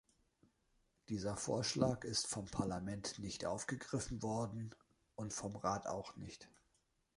Dieser Vorschlag ist vom Parlament nicht aufgegriffen worden und vom Rat auch nicht.